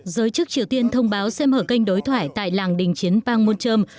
giới chức triều tiên thông báo sẽ mở kênh đối thoại tại làng đình chiến pangmunjom